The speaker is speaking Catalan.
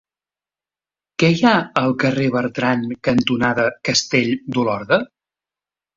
Què hi ha al carrer Bertran cantonada Castell d'Olorda?